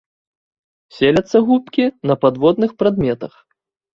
Селяцца губкі на падводных прадметах.